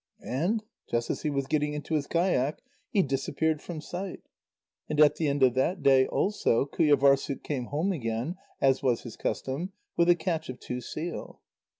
And just as he was getting into his kayak, he disappeared from sight. And at the end of that day also, Qujâvârssuk came home again, as was his custom, with a catch of two seal.